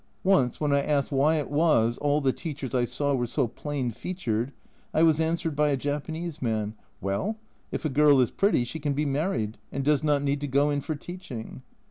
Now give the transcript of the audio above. Once, when I asked why it was all the teachers I saw were so plain featured, I was answered by a Japanese man, "well, if a girl is pretty, she can be married and does not need to go in for teaching."